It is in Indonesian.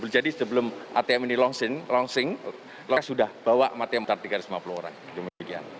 jadi sebelum atm ini launching sudah bawa matiam antar tiga ratus lima puluh orang demikian